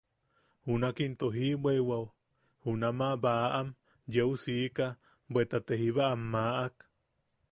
Junak into jiʼibweiwao junamaʼa baʼam yeu siika bweta te jíba am maʼak.